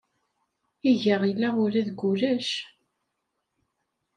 Iga illa ula deg ulac.